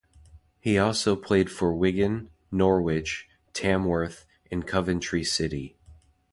He also played for Wigan, Norwich, Tamworth and Coventry City.